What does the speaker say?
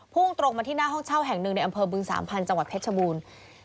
่งตรงมาที่หน้าห้องเช่าแห่งหนึ่งในอำเภอบึงสามพันธ์จังหวัดเพชรบูรณ์